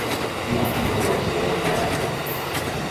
No, no vaig voler pagar-la.